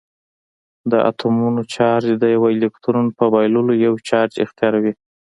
د اتومونو چارج د یوه الکترون په بایللو یو چارج اختیاروي.